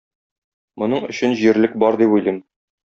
Моның өчен җирлек бар дип уйлыйм.